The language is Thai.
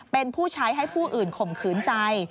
เป็นผู้ใช้ให้ผู้อื่นข่มขืนใจ